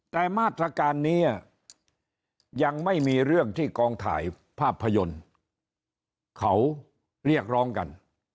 แต่มาตรการนี้ยังไม่มีเรื่องที่กองถ่ายภาพยนตร์เขาเรียกร้องกัน